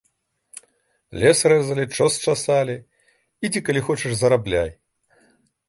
Лес рэзалі, чос часалі, ідзі, калі хочаш, зарабляй.